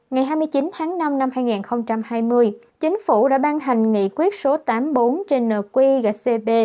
ngày hai mươi chín tháng năm năm hai nghìn hai mươi chính phủ đã ban hành nghị quyết số tám mươi bốn trên nq gcp